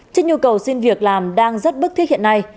trên nhu cầu xin việc làm đang rất bức thiết hiện nay